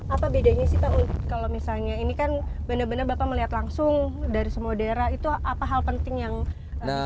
apa bedanya sih pak untuk kalau misalnya ini kan benar benar bapak melihat langsung dari semua daerah itu apa hal penting yang dilakukan